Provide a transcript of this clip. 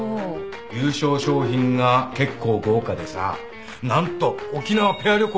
優勝賞品が結構豪華でさ何と沖縄ペア旅行。